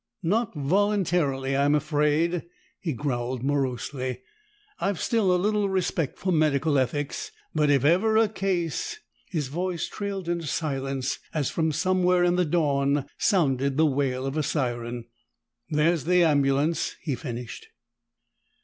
"Not voluntarily, I'm afraid," he growled morosely. "I've still a little respect for medical ethics, but if ever a case " His voice trailed into silence as from somewhere in the dawn sounded the wail of a siren. "There's the ambulance," he finished.